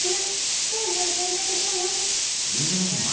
ステージをせんたくしてね。